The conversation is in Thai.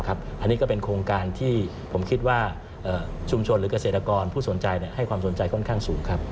อันนี้ก็เป็นโครงการที่ผมคิดว่าชุมชนหรือเกษตรกรผู้สนใจให้ความสนใจค่อนข้างสูงครับ